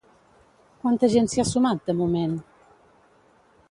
Quanta gent s'hi ha sumat, de moment?